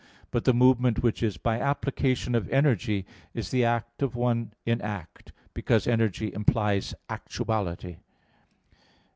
But the movement which is by application of energy is the act of one in act: because energy implies actuality.